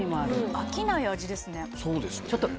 飽きない味ですね。